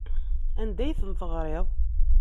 Anda ay ten-teɣriḍ?